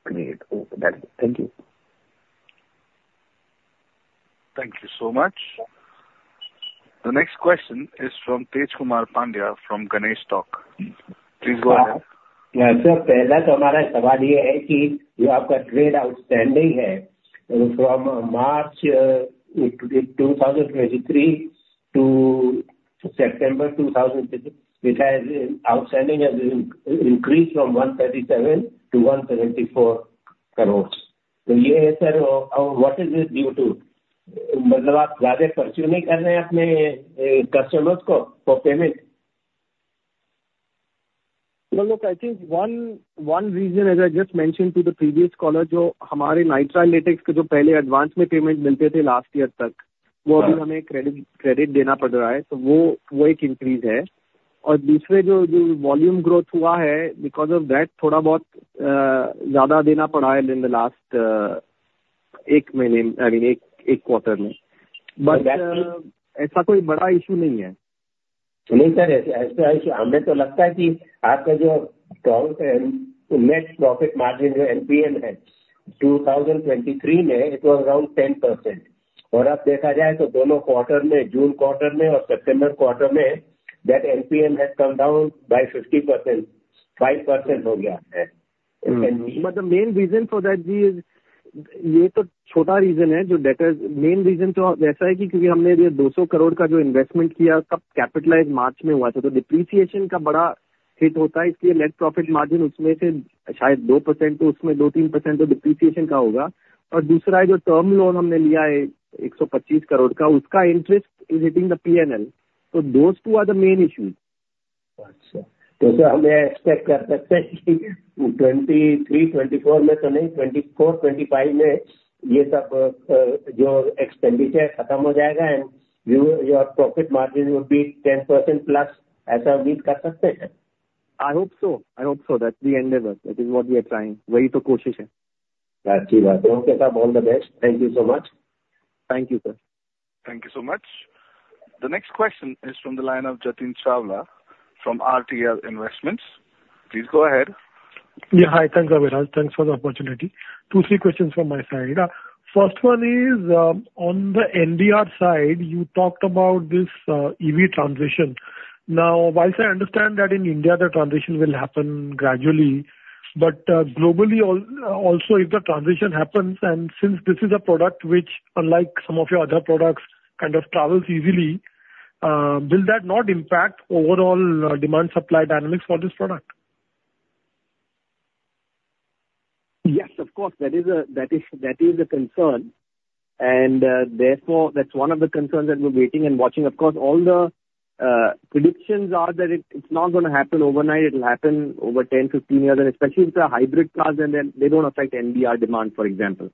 Great. Okay. Thank you. Thank you so much. The next question is from Tej Kumar Pandya from Ganesh Stockinvest. Please go ahead. Yeah, sir. "... outstanding from March 2023 to September 2023, which has, outstanding has increased from 137 crores-174 crores. So yeah, sir, what is this due to? Well, look, I think one, one reason, as I just mentioned to the previous caller, jo hamare nitrile latex ke jo pehle advance mein payment milte the last year tak, woh abhi hamein credit, credit dena pad raha hai, toh woh, woh ek increase hai. Aur doosre jo, jo volume growth hua hai, because of that, thoda bohot, zyada dena pad raha hai in the last, ek mahine, I mean, ek, ek quarter mein. But, aisa koi bada issue nahi hai. No, sir, aisa issue, hume toh lagta hai ki aapka jo strong term, net profit margin jo NPM hai, 2023 mein, it was around 10%. Aur ab dekha jaye toh dono quarter mein, June quarter mein aur September quarter mein, that NPM has come down by 50%, 5% ho gaya hai. Hmm. But the main reason for that, ji, is ye toh chhota reason hai, jo debtors. Main reason toh wesa hai ki kyonki humne ye INR 200 crore ka jo investment kiya, tab capitalize March mein hua tha, toh depreciation ka bada hit hota hai. Isliye net profit margin usme se shayad 2% toh usme, 2-3% toh depreciation ka hoga. Aur doosra hai jo term loan humne liya hai INR 125 crore ka, uska interest is hitting the PNL. So those two are the main issues. ...Good, so we may expect that, that 2023, 2024, maybe 2024, 2025, yeah, the, your expenditure will come out and your, your profit margin would be 10%+, as I read correctly? I hope so. I hope so. That's the endeavor. That is what we are trying. That's good. Okay, sir, all the best. Thank you so much. Thank you, sir. Thank you so much. The next question is from the line of Jatin Chawla from RTL Investments. Please go ahead. Yeah. Hi, thanks, Aviral. Thanks for the opportunity. Two, three questions from my side. First one is, on the NBR side, you talked about this, EV transition. Now, while I understand that in India, the transition will happen gradually, but, globally also, if the transition happens, and since this is a product which unlike some of your other products, kind of travels easily, will that not impact overall, demand supply dynamics for this product? Yes, of course, that is a concern, and therefore, that's one of the concerns that we're waiting and watching. Of course, all the predictions are that it, it's not gonna happen overnight. It'll happen over 10, 15 years, and especially if they're hybrid cars, and then they don't affect NBR demand, for example.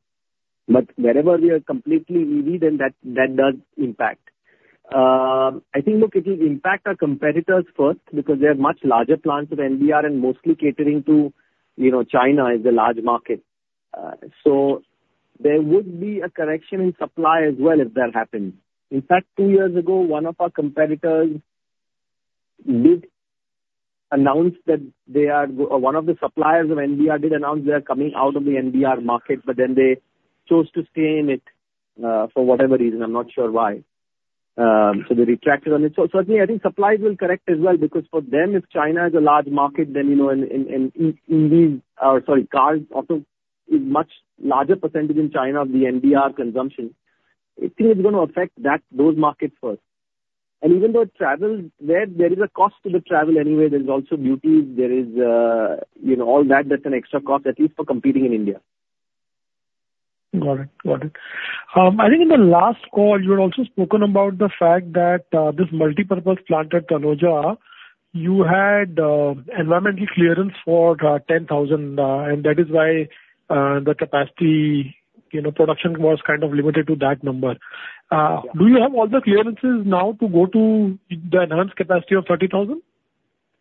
But wherever we are completely EV, then that does impact. I think, look, it will impact our competitors first because they have much larger plants with NBR and mostly catering to, you know, China is a large market. So there would be a correction in supply as well if that happens. In fact, two years ago, one of our competitors did announce that they are. One of the suppliers of NBR did announce they are coming out of the NBR market, but then they chose to stay in it for whatever reason. I'm not sure why. So they retracted on it. So, certainly, I think supplies will correct as well, because for them, if China is a large market, then, you know, in EV, cars, auto, is much larger percentage in China of the NBR consumption. It is gonna affect that, those markets first. And even though it travels, there is a cost to the travel anyway. There's also duties, you know, all that. That's an extra cost, at least for competing in India. Got it. Got it. I think in the last call, you had also spoken about the fact that this multipurpose plant at Taloja, you had environmental clearance for 10,000, and that is why the capacity, you know, production was kind of limited to that number. Yeah. Do you have all the clearances now to go to the enhanced capacity of 30,000?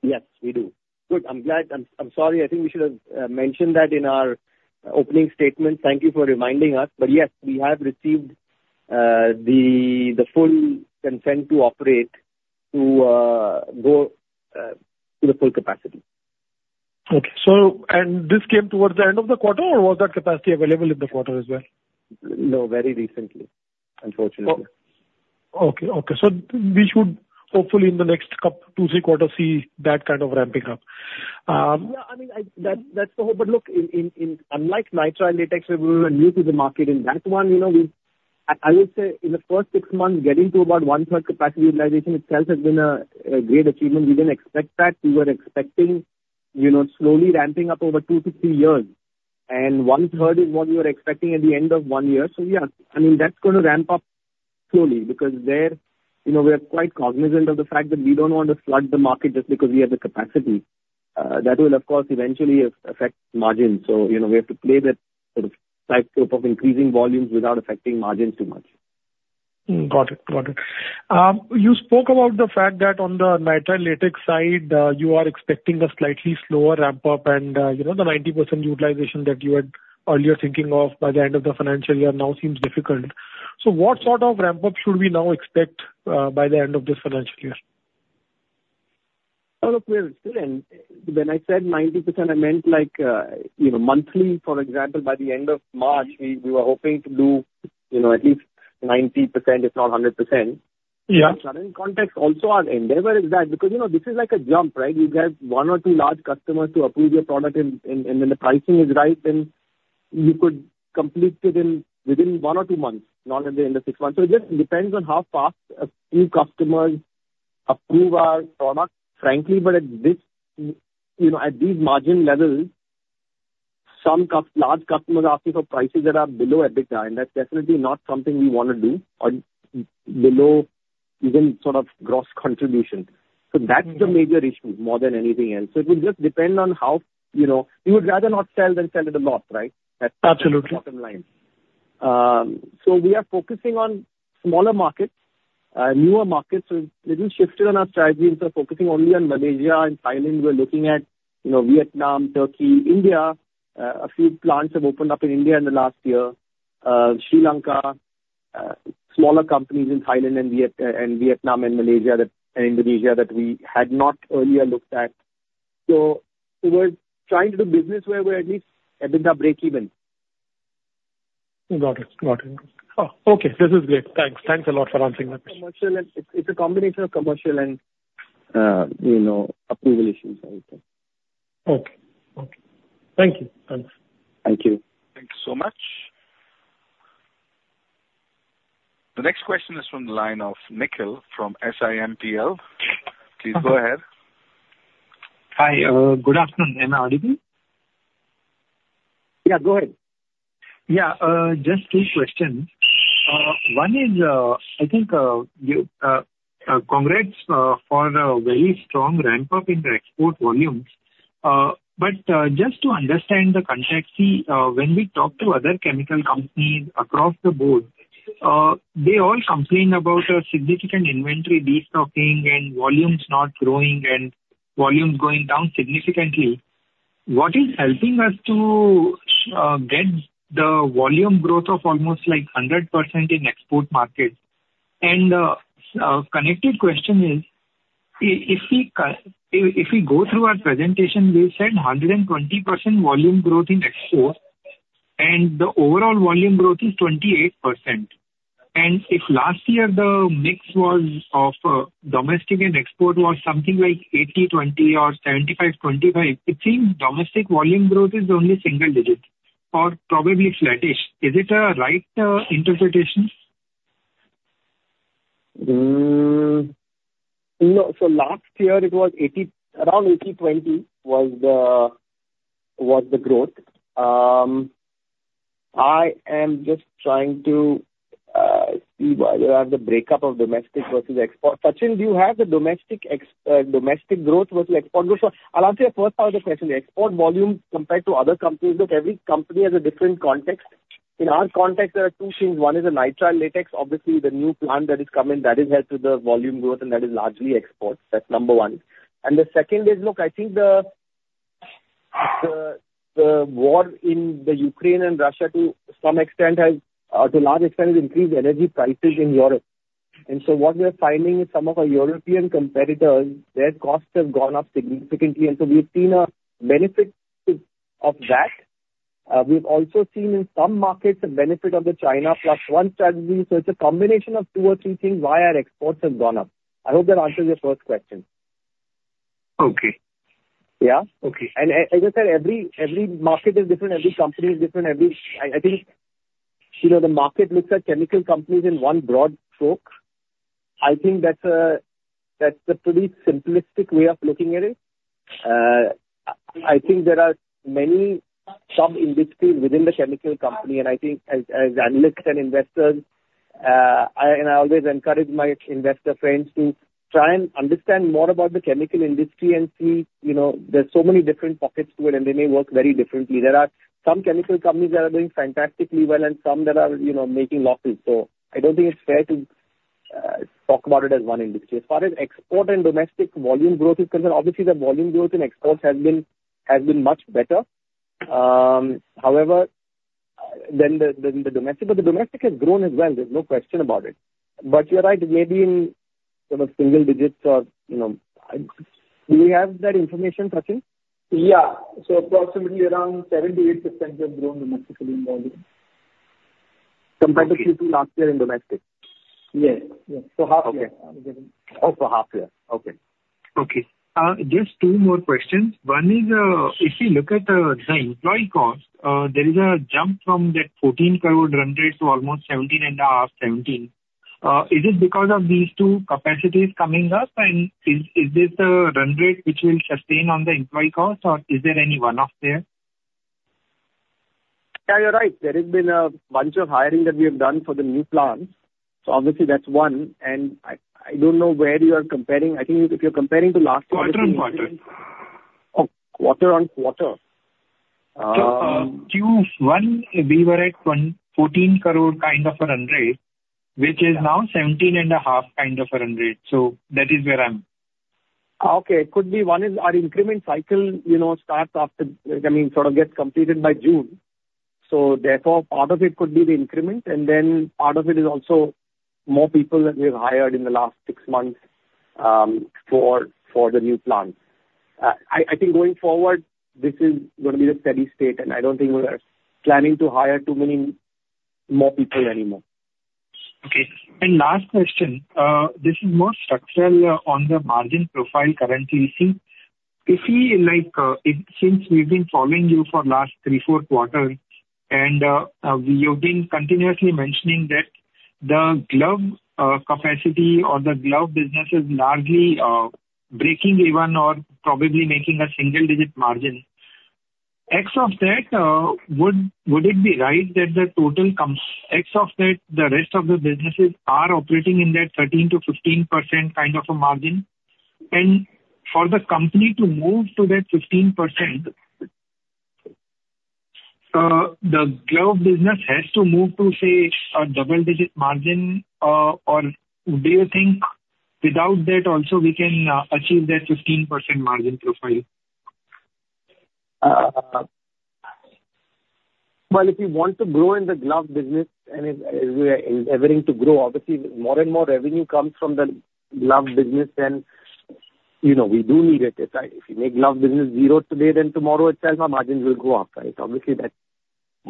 Yes, we do. Good, I'm glad. I'm sorry, I think we should have mentioned that in our opening statement. Thank you for reminding us. But yes, we have received the full consent to operate, to go to the full capacity. Okay. So, and this came towards the end of the quarter, or was that capacity available in the quarter as well? No, very recently, unfortunately. Okay, okay. So we should, hopefully, in the next couple, two, three quarters, see that kind of ramping up. Yeah, I mean, that's the hope. But look, unlike nitrile latex, where we were new to the market, in that one, you know, we... I would say in the first six months, getting to about one-third capacity utilization itself has been a great achievement. We didn't expect that. We were expecting, you know, slowly ramping up over two to three years, and one-third is what we were expecting at the end of one year. So yeah, I mean, that's gonna ramp up slowly because there, you know, we are quite cognizant of the fact that we don't want to flood the market just because we have the capacity. That will, of course, eventually affect margin. So, you know, we have to play that sort of tightrope of increasing volumes without affecting margins too much. Got it. Got it. You spoke about the fact that on the nitrile latex side, you are expecting a slightly slower ramp-up and, you know, the 90% utilization that you had earlier thinking of by the end of the financial year now seems difficult. So what sort of ramp-up should we now expect by the end of this financial year? Oh, look, we're still in... When I said 90%, I meant like, you know, monthly, for example, by the end of March, we, we were hoping to do, you know, at least 90%, if not 100%. Yeah. Current context, also our endeavor is that, because, you know, this is like a jump, right? You get one or two large customers to approve your product and when the pricing is right, then you could complete it within one or two months, not at the end of six months. So it just depends on how fast a few customers approve our product, frankly. But at this, you know, at these margin levels, some large customers are asking for prices that are below EBITDA, and that's definitely not something we wanna do, or below even sort of gross contribution. Mm. That's the major issue more than anything else. It will just depend on how, you know... We would rather not sell than sell at a loss, right? Absolutely. Bottom line. So we are focusing on smaller markets, newer markets. We've shifted on our strategy, instead of focusing only on Malaysia and Thailand, we're looking at, you know, Vietnam, Turkey, India. A few plants have opened up in India in the last year. Sri Lanka, smaller companies in Thailand and Vietnam and Malaysia that, and Indonesia, that we had not earlier looked at. So we're trying to do business where we're at least EBITDA breakeven. Got it. Got it. Oh, okay. This is great. Thanks. Thanks a lot for answering that. Commercial and, it's a combination of commercial and, you know, approval issues, I think. Okay. Okay. Thank you. Thanks. Thank you. Thank you so much. The next question is from the line of Nikhil from SIMPL. Please go ahead. Hi, good afternoon. Am I audible.... Yeah, go ahead. Yeah, just two questions. One is, I think, congrats for a very strong ramp-up in the export volumes. But just to understand the context, see, when we talk to other chemical companies across the board, they all complain about a significant inventory destocking and volumes not growing and volumes going down significantly. What is helping us to get the volume growth of almost like 100% in export markets? And a connected question is, if we go through our presentation, we've said 120% volume growth in exports, and the overall volume growth is 28%. And if last year the mix was of domestic and export was something like 80/20 or 75/25, it seems domestic volume growth is only single digit or probably flattish. Is it a right interpretation? No. So last year it was eighty-- around 80/20 was the growth. I am just trying to see whether I have the breakup of domestic versus export. Sachin, do you have the domestic growth versus export growth? So I'll answer your first part of the question: The export volume compared to other companies, look, every company has a different context. In our context, there are two things. One is the nitrile latex. Obviously, the new plant that is coming, that has helped to the volume growth, and that is largely exports. That's number one. And the second is, look, I think the war in the Ukraine and Russia to some extent has, to a large extent has increased energy prices in Europe. So what we're finding is some of our European competitors, their costs have gone up significantly, and so we've seen a benefit of that. We've also seen in some markets the benefit of the China Plus One strategy. So it's a combination of two or three things why our exports have gone up. I hope that answers your first question. Okay. Yeah. Okay. As I said, every market is different, every company is different. I think, you know, the market looks at chemical companies in one broad stroke. I think that's a pretty simplistic way of looking at it. I think there are many sub-industries within the chemical company, and I think as analysts and investors, and I always encourage my investor friends to try and understand more about the chemical industry and see, you know, there's so many different pockets to it, and they may work very differently. There are some chemical companies that are doing fantastically well and some that are, you know, making losses. So I don't think it's fair to talk about it as one industry. As far as export and domestic volume growth is concerned, obviously, the volume growth in exports has been, has been much better. However, than the, than the domestic, but the domestic has grown as well, there's no question about it. But you're right, it may be in sort of single digits or, you know... Do we have that information, Sachin? Yeah. Approximately around 78% we have grown domestically in volume. Compared to Q2 last year in domestic? Yes, yes. So half year, Oh, so half year. Okay. Okay. Just two more questions. One is, if you look at the employee cost, there is a jump from that 14 crore run rate to almost INR 17.5 crore, 17 crore. Is it because of these two capacities coming up? And is this a run rate which will sustain on the employee cost, or is there any one-off there? Yeah, you're right. There has been a bunch of hiring that we have done for the new plants, so obviously that's one. I don't know where you are comparing. I think if you're comparing to last quarter- Quarter-on-quarter. Oh, quarter-over-quarter, So, Q1, we were at 114 crore kind of a run rate, which is now 17.5 crore kind of a run rate. So that is where I'm. Okay. It could be, one is our increment cycle, you know, starts after, I mean, sort of gets completed by June. So therefore, part of it could be the increment, and then part of it is also more people that we've hired in the last six months for the new plant. I think going forward, this is gonna be the steady state, and I don't think we are planning to hire too many more people anymore. Okay. Last question. This is more structural, on the margin profile currently we see. If we like, it... Since we've been following you for last three, four quarters, and, you've been continuously mentioning that the glove capacity or the glove business is largely, breaking even or probably making a single digit margin. Would it be right that the rest of the businesses are operating in that 13%-15% kind of a margin? And for the company to move to that 15%, the glove business has to move to, say, a double-digit margin, or do you think without that also we can, achieve that 15% margin profile? Well, if you want to grow in the glove business and if we are endeavoring to grow, obviously more and more revenue comes from the glove business, then, you know, we do need it. If you make glove business zero today, then tomorrow itself our margins will go up. Right? Obviously,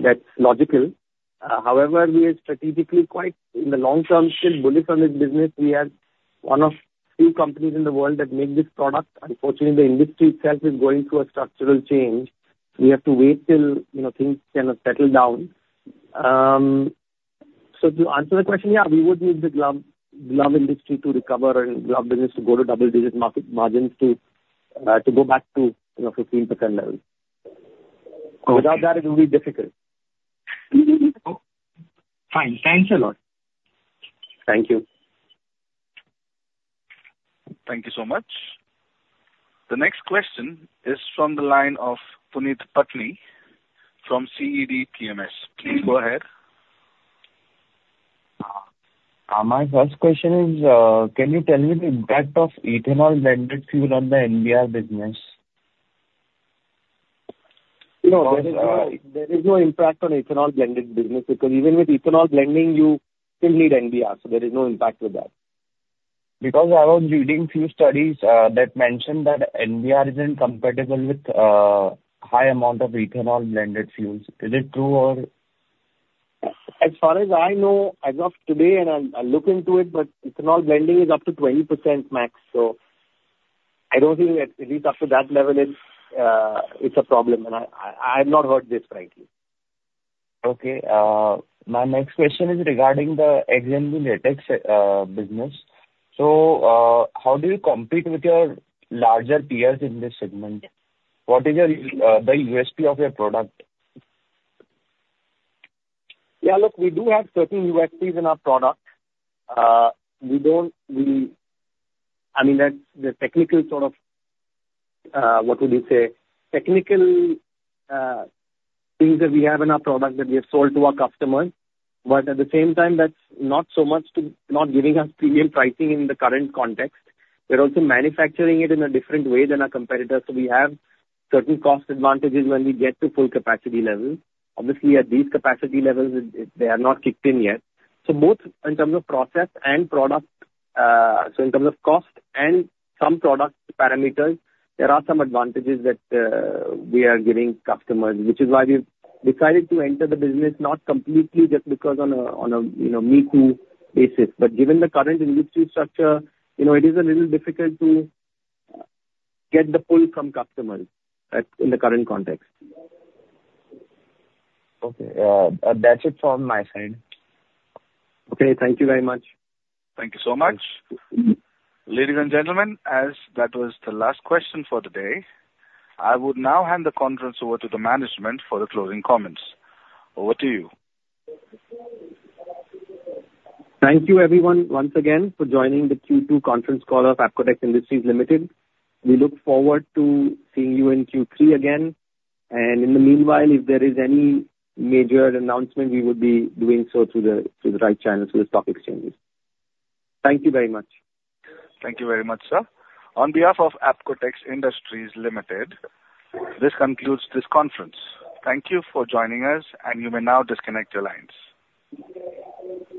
that's logical. However, we are strategically quite in the long term still bullish on this business. We are one of few companies in the world that make this product. Unfortunately, the industry itself is going through a structural change. We have to wait till, you know, things kind of settle down. So to answer the question, yeah, we would need the glove industry to recover and glove business to go to double-digit market margins to go back to, you know, 15% level. Without that, it will be difficult. Fine. Thanks a lot. Thank you. Thank you so much. The next question is from the line of Puneet Patni from CED PMS. Please go ahead. My first question is, can you tell me the impact of ethanol blended fuel on the NBR business? No, there is no impact on ethanol blended business, because even with ethanol blending, you still need NBR, so there is no impact with that. Because I was reading few studies, that mentioned that NBR isn't compatible with, high amount of ethanol blended fuels. Is it true, or? As far as I know, as of today, and I'll, I'll look into it, but ethanol blending is up to 20% max, so I don't think at least up to that level, it, it's a problem, and I, I've not heard this frankly. Okay. My next question is regarding the HMD latex business. So, how do you compete with your larger peers in this segment? What is your the USP of your product? Yeah, look, we do have certain USPs in our product. We don't really-- I mean, that's the technical sort of, what would you say? Technical, things that we have in our product that we have sold to our customers, but at the same time, that's not so much to not giving us premium pricing in the current context. We're also manufacturing it in a different way than our competitors, so we have certain cost advantages when we get to full capacity levels. Obviously, at these capacity levels, it, they are not kicked in yet. So both in terms of process and product, so in terms of cost and some product parameters, there are some advantages that, we are giving customers, which is why we've decided to enter the business not completely just because on a, you know, me-too basis. Given the current industry structure, you know, it is a little difficult to get the pull from customers, right? In the current context. Okay. That's it from my side. Okay, thank you very much. Thank you so much. Ladies and gentlemen, as that was the last question for today, I would now hand the conference over to the management for the closing comments. Over to you. Thank you everyone, once again, for joining the Q2 conference call of Apcotex Industries Limited. We look forward to seeing you in Q3 again, and in the meanwhile, if there is any major announcement, we would be doing so through the, through the right channels, through the stock exchanges. Thank you very much. Thank you very much, sir. On behalf of Apcotex Industries Limited, this concludes this conference. Thank you for joining us, and you may now disconnect your lines.